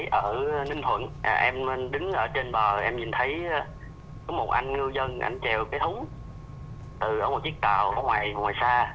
hồi nãy ở ninh thuận em đứng ở trên bờ em nhìn thấy có một anh ngư dân chèo cái thúng từ một chiếc tàu ở ngoài xa